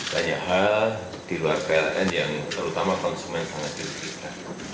hanya hal di luar pln yang terutama konsumen sangat diri kita